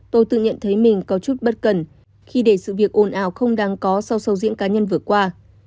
tôi tự nhận thấy mình có chút bất cần khi để sự việc ồn ào không đáng có sau sầu diễn cá nhân vừa qua